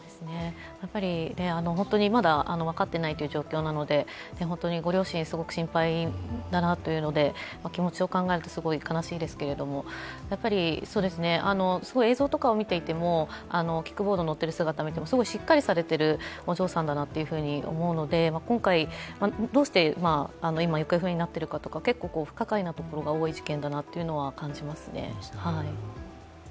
まだ分かっていないという状況なので、ご両親すごく心配だなというので気持ちを考えると、すごく悲しいですけど、映像とかを見ていても、キックボードに乗っている姿を見てもすごいしっかりされているお嬢さんだなと思うので、今回、どうして今行方不明になっているかとか結構不可解なところが多い事件だなというのは感じますね。